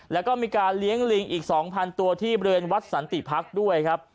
แล้วก็มีการเลี้ยงลิงอีก๒๐๐ตัวที่บริเวณวัดสันติพักด้วยครับ